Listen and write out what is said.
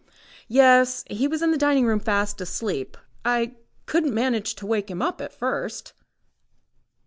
"Yes; he was in the dining room fast asleep. I could not manage to wake him up at first."